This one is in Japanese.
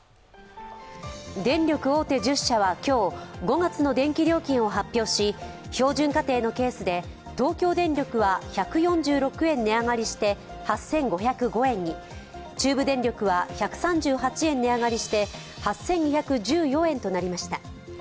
電力大手１０社は今日、５月の電気料金を発表し標準家庭のケースで東京電力は１４６円値上がりして８５０５円に、中部電力は１３８円値上がりして８２１４円となりました。